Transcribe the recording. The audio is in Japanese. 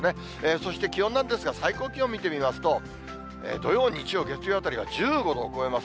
そして気温なんですが、最高気温見てみますと、土曜、日曜、月曜あたりは１５度を超えます。